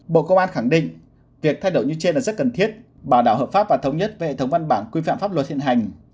bộ công an khẳng định việc thay đổi như trên là rất cần thiết bảo đảm hợp pháp và thống nhất với hệ thống văn bản quy phạm pháp luật hiện hành